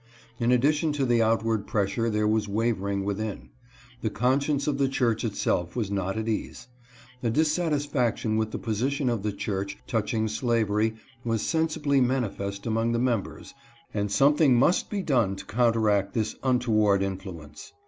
In addition to the outward pressure there was wavering within. The conscience of the church itself was not at «ase. A dissatisfaction with the position of the church touching slavery was sensibly manifest among the mem bers, and something must be done to counteract this untoward influence.